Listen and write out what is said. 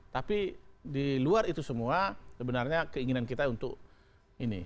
tapi di luar itu semua sebenarnya keinginan kita untuk ini